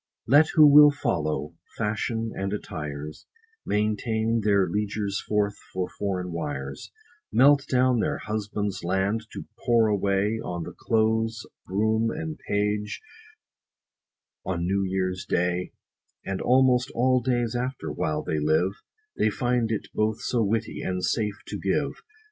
Let who will follow fashions and attires, Maintain their liegers forth for foreign wires, Melt down their husbands land, to pour away On the close groom and page, on new year's day, And almost all days after, while they live ; They find it both so witty, and safe to give.